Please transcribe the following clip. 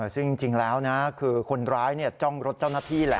ซึ่งจริงแล้วนะคือคนร้ายจ้องรถเจ้าหน้าที่แหละ